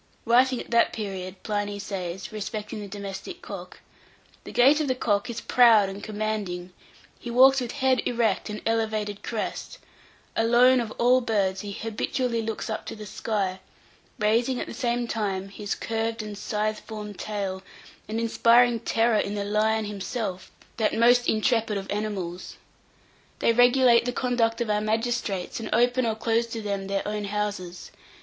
Writing at that period, Pliny says, respecting the domestic cock, "The gait of the cock is proud and commanding; he walks with head erect and elevated crest; alone, of all birds, he habitually looks up to the sky, raising, at the same time, his curved and scythe formed tail, and inspiring terror in the lion himself, that most intrepid of animals. They regulate the conduct of our magistrates, and open or close to them their own houses.